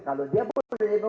kalau dia boleh